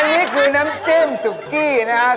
อันนี้คือน้ำจิ้มสุกี้นะครับ